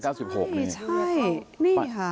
ใช่นี่ค่ะ